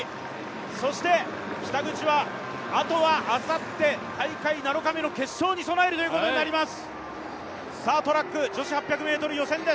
そして北口はあとはあさって大会７日目の決勝に備えるということになります。